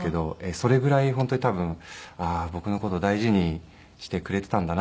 それぐらい本当に多分僕の事大事にしてくれていたんだなと思って。